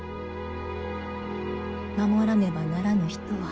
守らねばならぬ人は。